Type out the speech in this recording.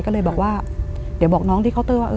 ก็เลยบอกว่าเดี๋ยวบอกน้องที่เคาน์เตอร์ว่า